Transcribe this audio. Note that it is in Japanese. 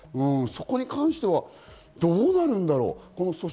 そこに関してはどうなるんだろう？